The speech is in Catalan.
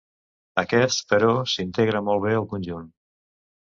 Aquest, però, s'integra molt bé al conjunt.